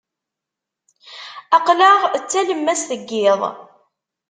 Aql-aɣ d talemmast n yiḍ.